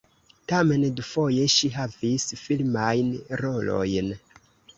Tamen dufoje ŝi havis filmajn rolojn.